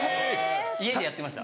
家でやってました。